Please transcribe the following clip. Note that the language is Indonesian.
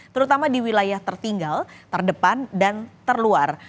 terutama di wilayah tertinggal terdepan dan terluar